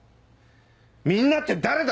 「みんな」って誰だ！